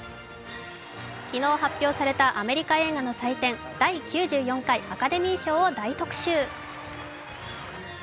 昨日発表されたアメリカ映画の祭典、第９４回アカデミー賞を特集。